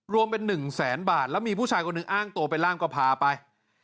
รวมเป็น๑แสนบาทแล้วมีผู้ชายคนหนึ่งอ้างตัวเป็นร่างก็พาไป